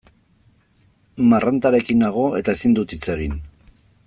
Marrantarekin nago eta ezin dut hitz egin.